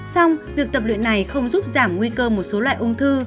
xong việc tập luyện này không giúp giảm nguy cơ một số loại ung thư